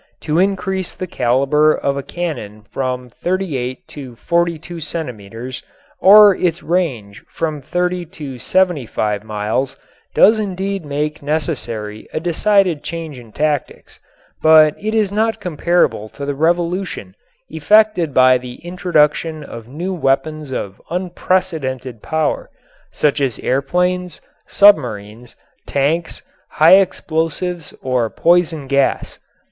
To increase the caliber of a cannon from 38 to 42 centimeters or its range from 30 to 75 miles does indeed make necessary a decided change in tactics, but it is not comparable to the revolution effected by the introduction of new weapons of unprecedented power such as airplanes, submarines, tanks, high explosives or poison gas.